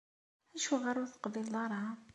Acuɣer ur teqbileḍ ara?